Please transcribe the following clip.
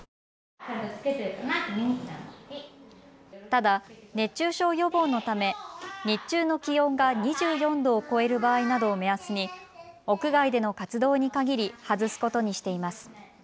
ただ熱中症予防のため日中の気温が２４度を超える場合などを目安に屋外での活動に限り外すことにしています。